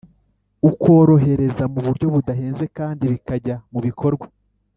ukorohereza mu buryo budahenze kandi bikajya mu bikorwa